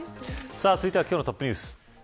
続いては今日のトップニュース。